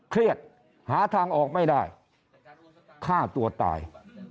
เครียดหาทางออกไม่ได้ฆ่าตัวตาย